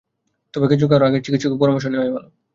তবে, খেজুর খাওয়ার আগে চিকিৎসকের পরামর্শ নেয়াই ভালো।